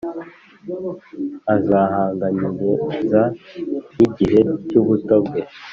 Azahanganiriza nk’igihe cy’ubuto bwe,